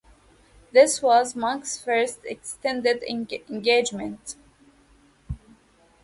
This was Monk's first extended engagement.